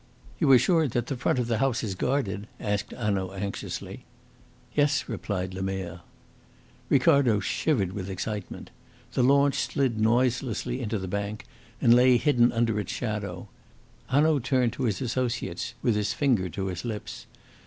"You are sure that the front of the house is guarded?" asked Hanaud anxiously. "Yes," replied Lemerre. Ricardo shivered with excitement. The launch slid noiselessly into the bank and lay hidden under its shadow. Hanaud turned to his associates with his finger to his lips.